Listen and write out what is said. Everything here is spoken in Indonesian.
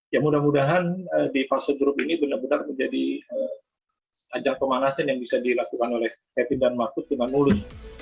ya mudah mudahan di fase grup ini benar benar menjadi ajang pemanasan yang bisa dilakukan oleh kevin dan marcus dengan mulus